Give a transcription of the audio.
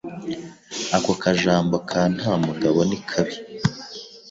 ako ka jambo ka nta mugabo nikabi